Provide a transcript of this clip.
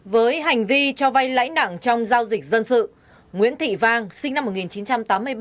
với hành vi cho vay lãi nặng trong giao dịch dân sự nguyễn thị vang sinh năm một nghìn chín trăm tám mươi ba